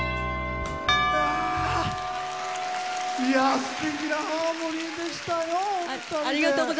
すてきなハーモニーでしたよ。